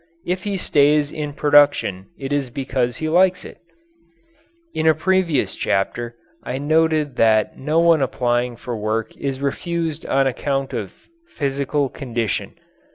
If he stays in production it is because he likes it. In a previous chapter I noted that no one applying for work is refused on account of physical condition.